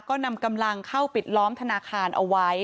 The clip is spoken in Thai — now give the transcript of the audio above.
ก็นำกำลังเข้าปิดล้อมธนาคารเอาไว้